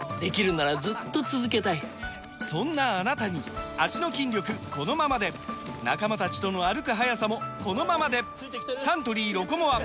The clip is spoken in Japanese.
そんなあなたに脚の筋力このままで仲間たちとの歩く速さもこのままでサントリー「ロコモア」！